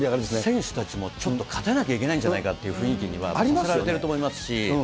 選手たちもちょっと勝たなきゃいけないんじゃないかという雰囲気にはさせられてると思いますし。